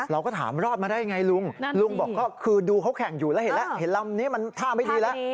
เราก็ถามรอดมาได้ไงลุงลุงบอกก็คือดูเขาแข่งอยู่แล้วเห็นแล้วเห็นลำนี้มันท่าไม่ดีแล้ว